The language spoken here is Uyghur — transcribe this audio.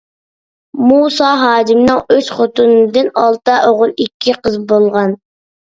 مۇسا ھاجىمنىڭ ئۈچ خوتۇندىن ئالتە ئوغۇل، ئىككى قىزى بولغان.